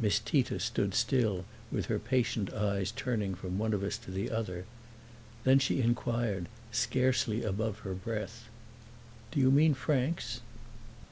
Miss Tita stood still, with her patient eyes turning from one of us to the other; then she inquired, scarcely above her breath, "Do you mean francs?"